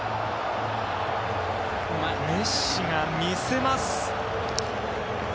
メッシが見せます。